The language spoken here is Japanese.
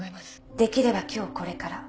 できれば今日これから。